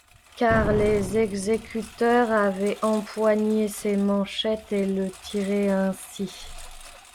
Car les exécuteurs avaient empoigné ses manchettes et le tiraient ainsi.